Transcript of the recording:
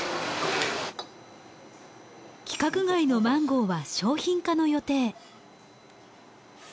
規格外のマンゴーは商品化の予定。